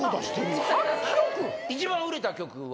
一番売れた曲は？